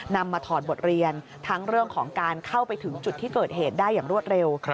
มาถอดบทเรียนทั้งเรื่องของการเข้าไปถึงจุดที่เกิดเหตุได้อย่างรวดเร็ว